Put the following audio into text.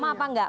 sama apa enggak